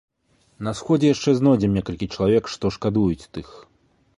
На сходзе яшчэ знойдзем некалькі чалавек, што шкадуюць тых.